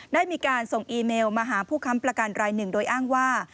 ได้มีการส่งอีเมลมาหาผู้ค้ำประกันรายหนึ่งโดยอ้างว่า